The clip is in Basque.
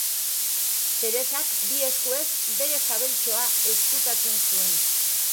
Teresak bi eskuez bere sabeltxoa ezkutatzen zuen.